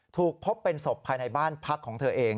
ถูกพบเป็นศพภายในบ้านพักของเธอเอง